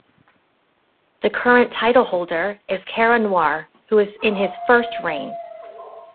The current title holder is Cara Noir who is in his first reign.